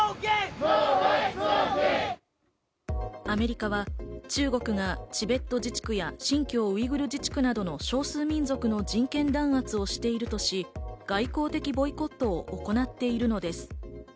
アメリカは中国がチベット自治区や新疆ウイグル自治区などの少数民族の人権弾圧をしているとし、外交的ボイコットを行っているのです。